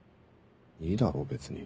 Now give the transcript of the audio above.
いいだろ別に。